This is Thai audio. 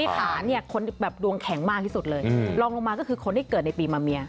ขาเนี่ยคนแบบดวงแข็งมากที่สุดเลยลองลงมาก็คือคนที่เกิดในปีมาเมีย